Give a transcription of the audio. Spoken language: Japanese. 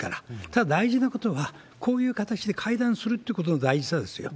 ただ、大事なことは、こういう形で会談するってことの大事さですよ。